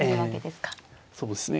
そうですね